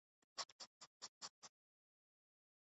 کھیت پر برسے گا